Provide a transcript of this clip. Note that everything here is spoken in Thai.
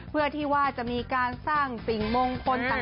เพื่อที่ว่าจะมีการสร้างสิ่งมงคลต่าง